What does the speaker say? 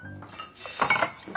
あ！